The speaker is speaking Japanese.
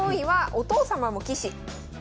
お父様も棋士？